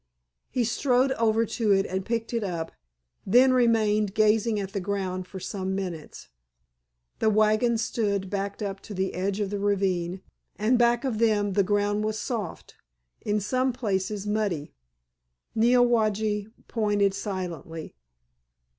He strode over to it and picked it up, then remained gazing at the ground for some minutes. The wagons stood backed up to the edge of the ravine, and back of them the ground was soft, in some places muddy. Neowage pointed silently.